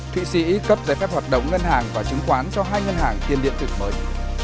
thủy sĩ cấp giải phép hoạt động ngân hàng và chứng khoán cho hai ngân hàng tiên điện thực mới